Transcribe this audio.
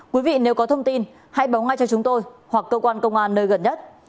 quý vị nếu có thông tin hãy báo ngay cho chúng tôi hoặc cơ quan công an nơi gần nhất